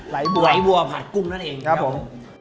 บัวไหลวัวผัดกุ้งนั่นเองครับผม